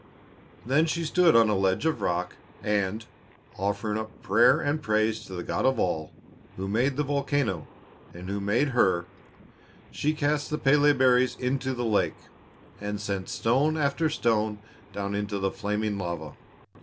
Then she stood on a ledge of rock, and, offering up prayer and praise to the God of all, Who made the volcano and Who made her, she cast the Pélé berries into the lake, and sent stone after stone down into the flaming lava.